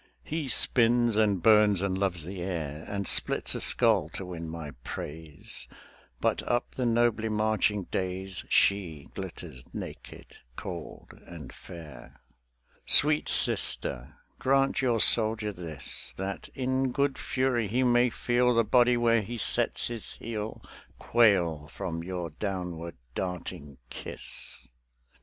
He spins and burns and loves the air, And splits a skull to win my praise; But up the nobly marching days She glitters naked, cold and fair. Sweet Sister, grant your soldier this; That in good fury he may feel The body where he sets his heel Quail from your downward darting kiss.